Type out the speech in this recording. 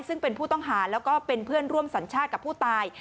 ซึ่งเป็นผู้ต้องหาแล้วก็เป็นเพื่อนร่วมสัญชาติกับผู้ตาย